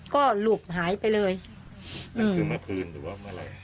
ก็หลุบหายไปเลยอืมคือเมื่อคืนหรือว่าเมื่ออะไร